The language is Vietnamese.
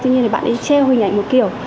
tuy nhiên thì bạn ấy che hình ảnh một kiểu